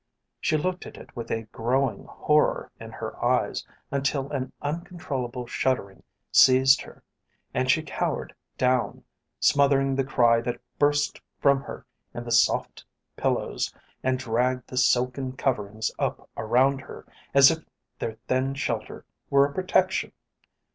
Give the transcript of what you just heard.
She looked at it with a growing horror in her eyes until an uncontrollable shuddering seized her and she cowered down, smothering the cry that burst from her in the soft pillows and dragging the silken coverings up around her as if their thin shelter were a protection.